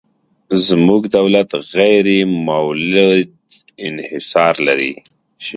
زموږ دولت غیر مولد انحصار لري.